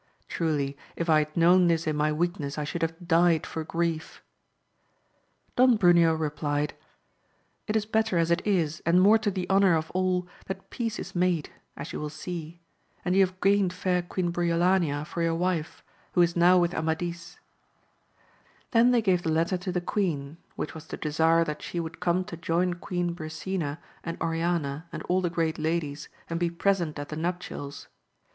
Truly, if I had known this in my weakness I should have died for grief. Don Bmneo replied, It is better as it is, and^more to the honour of all, that peace is made, as you will see ; and you have gained fair Queen Briolania for your wife, who is now with Amadis : then they gave the letter to the queen, which was to desire that she would come to join Queen Brisena and Oriana and all the great ladies, and be present at the nuptials.